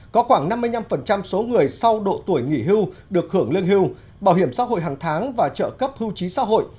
có khoảng năm mươi năm số người sau độ tuổi nghỉ hưu được hưởng lương hưu bảo hiểm xã hội hàng tháng và trợ cấp hưu trí xã hội